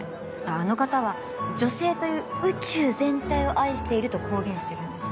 あの方は女性という宇宙全体を愛していると公言してるんです。